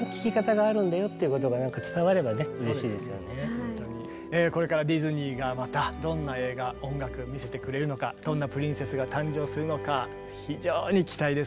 でもね見てる方にもこれからディズニーがまたどんな映画音楽見せてくれるのかどんなプリンセスが誕生するのか非常に期待ですね。